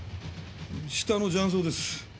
下の雀荘です。